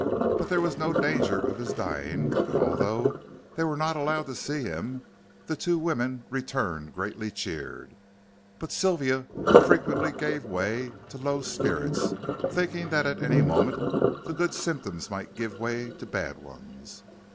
But there was no danger of his dying, and although they were not allowed to see him the two women returned greatly cheered. But Sylvia frequently gave way to low spirits, thinking that at any moment the good symptoms might give way to bad ones.